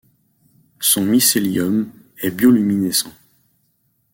Son mycelium est bioluminescent.